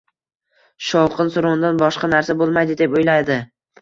Shovqin-surondan boshqa narsa bo'lmaydi deb o'yladi.